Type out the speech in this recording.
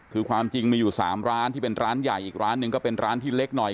คือความจริงมีอยู่๓ร้านที่เป็นร้านใหญ่อีกร้านหนึ่งก็เป็นร้านที่เล็กหน่อย